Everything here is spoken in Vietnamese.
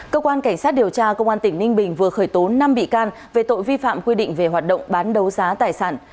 cơ quan cảnh sát điều tra công an tỉnh ninh bình vừa khởi tố năm bị can về tội vi phạm quy định về hoạt động bán đấu giá tài sản